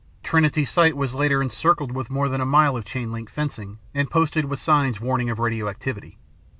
Trinity Site was later encircled with more than a mile of chain link fencing and posted with signs warning of radioactivity.